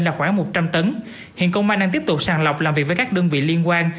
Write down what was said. là khoảng một trăm linh tấn hiện công an đang tiếp tục sàng lọc làm việc với các đơn vị liên quan